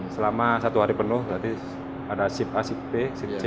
selama satu hari penuh berarti ada sip a si b si c